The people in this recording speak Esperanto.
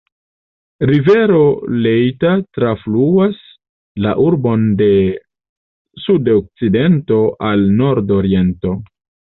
Rivero Leitha trafluas la urbon de sud-okcidento al nord-oriento.